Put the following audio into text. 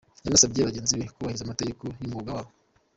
Yanasabye bagenzi be kubahiriza amategeko y’umwuga wabo.